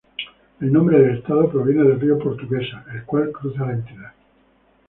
El nombre del estado proviene del río Portuguesa, el cual cruza la entidad.